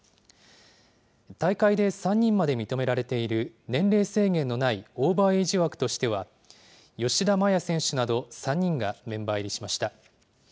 大会で３人まで認められている、年齢制限のないオーバーエイジ枠としては、吉田麻也選手など３人がメンバー入りしました。